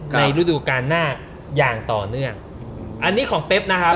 ฤดูการหน้าอย่างต่อเนื่องอันนี้ของเป๊บนะครับ